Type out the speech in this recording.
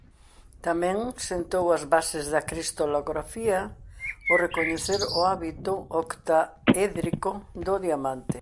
Tamén sentou as bases da cristalografía ao recoñecer o hábito octaédrico do diamante.